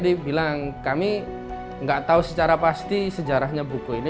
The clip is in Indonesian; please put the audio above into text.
jadi bilang kami enggak tahu secara pasti sejarahnya buku ini